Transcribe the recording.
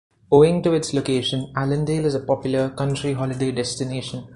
Owing to its location, Allendale is a popular country-holiday destination.